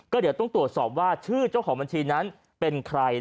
ก็เดี๋ยวต้องตรวจสอบว่าชื่อเจ้าของบัญชีนั้นเป็นใคร